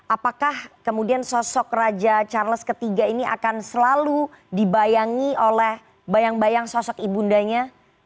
apakah kemudian sosok raja charles iii ini akan selalu dibayangi oleh bayang bayang sosok ibundanya